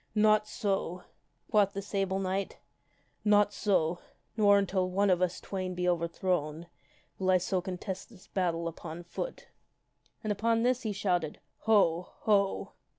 " Not so," quoth the Sable Knight " not so, nor until one of us twain be overthrown will I so contest this battle upon foot." And upon this he shouted, " Ho ! Ho